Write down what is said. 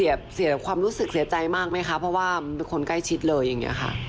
เสียความรู้สึกเสียใจมากไหมคะเพราะว่ามันเป็นคนใกล้ชิดเลยอย่างนี้ค่ะ